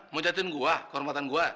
mau catin gua kehormatan gua